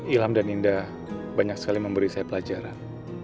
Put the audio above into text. ilham dan indah banyak sekali memberi saya pelajaran